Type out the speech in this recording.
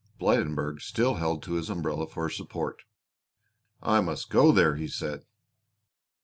Blydenburg still held to his umbrella for support. "I must go there," he said.